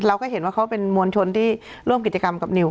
เราก็เห็นว่าเขาเป็นมวลชนที่ร่วมกิจกรรมกับนิว